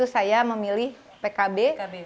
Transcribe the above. saya memilih pkb